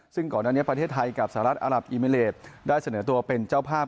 ซึ่งก่อนอันนี้ประเทศไทยกับสหรัฐอหลับอิมิเลสได้เสนอตัวเป็นเจ้าภาพ